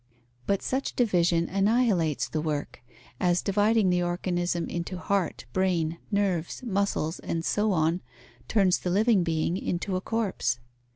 But such division annihilates the work, as dividing the organism into heart, brain, nerves, muscles and so on, turns the living being into a corpse.